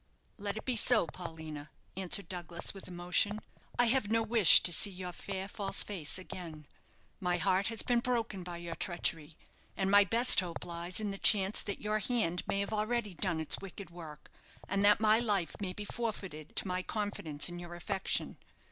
"Let it be so, Paulina," answered Douglas, with emotion. "I have no wish to see your fair, false face again. My heart has been broken by your treachery; and my best hope lies in the chance that your hand may have already done its wicked work, and that my life may be forfeited to my confidence in your affection.